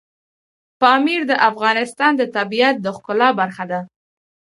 پامیر د افغانستان د طبیعت د ښکلا برخه ده.